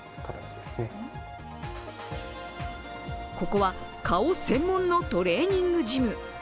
ここは顔専門のトレーニングジム。